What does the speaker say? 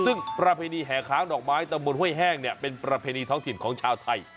ซึ่งประเพณีแห่ค้างดอกไม้ตำบลห้วยแห้งเนี่ยเป็นประเพณีท้องถิ่นของชาวไทย